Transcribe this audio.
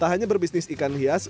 tak hanya berbisnis ikan hias